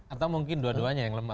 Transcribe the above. atau mungkin dua duanya yang lemah